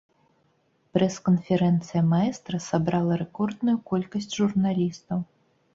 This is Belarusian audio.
Прэс-канферэнцыя маэстра сабрала рэкордную колькасць журналістаў.